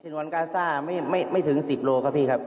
นวนกาซ่าไม่ถึง๑๐โลครับพี่ครับ